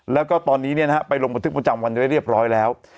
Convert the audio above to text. แล้วก็ตอนนี้ไปลงบันทึกประจำวันไว้เรียบร้อยแล้ว